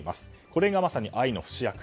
これが、まさに愛の不死薬。